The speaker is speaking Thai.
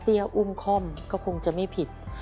พ่อเตี้ยอุ้มข้อมก็คงจะไม่ผิด